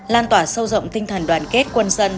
lan tỏa sâu rộng tinh thần đoàn kết quân dân